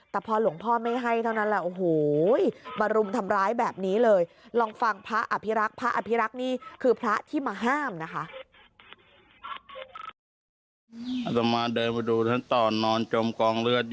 แต่พอหลวงพ่อไม่ให้เท่านั้นละโอ้โห